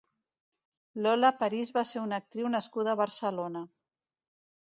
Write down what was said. Lola Paris va ser una actriu nascuda a Barcelona.